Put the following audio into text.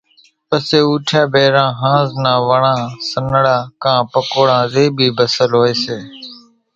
پسي اُوٺيا ڀيرين ۿانزُو نا وڙان، سنڙا ڪان پڪوڙان زين ٻي ڀسل ھوئي سي،